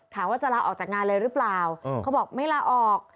ว่าจะลาออกจากงานเลยหรือเปล่าเขาบอกไม่ลาออก